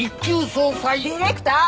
ディレクター。